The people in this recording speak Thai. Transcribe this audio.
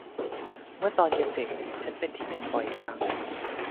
เมื่อตอนยังเด็กฉันเป็นที่หนึ่งบ่อยครั้ง